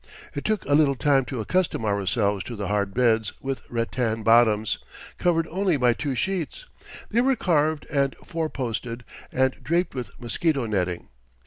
It took a little time to accustom ourselves to the hard beds with rattan bottoms, covered only by two sheets. They were carved and four posted, and draped with mosquito netting.